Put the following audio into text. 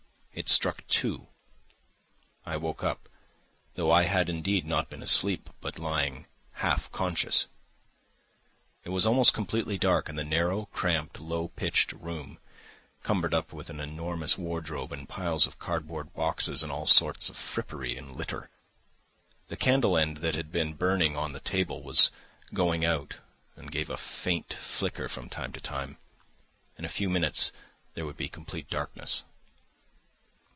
It struck two. I woke up, though I had indeed not been asleep but lying half conscious. It was almost completely dark in the narrow, cramped, low pitched room, cumbered up with an enormous wardrobe and piles of cardboard boxes and all sorts of frippery and litter. The candle end that had been burning on the table was going out and gave a faint flicker from time to time. In a few minutes there would be complete darkness.